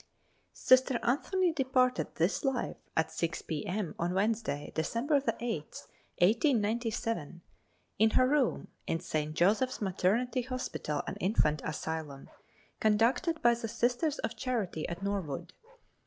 Sister Anthony departed this life at 6 P. M. on Wednesday, December 8, 1897, in her room, in St. Joseph's Maternity Hospital and Infant Asylum, conducted by the Sisters of Charity at Norwood, O.